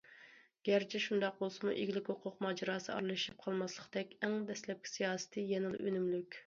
گەرچە شۇنداق بولسىمۇ، ئىگىلىك ھوقۇق ماجىراسى ئارىلىشىپ قالماسلىقتەك ئەڭ دەسلەپكى سىياسىتى يەنىلا ئۈنۈملۈك.